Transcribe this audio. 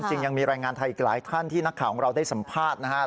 จริงยังมีแรงงานไทยอีกหลายท่านที่นักข่าวของเราได้สัมภาษณ์นะครับ